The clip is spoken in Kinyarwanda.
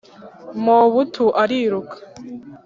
Mobutu aliruka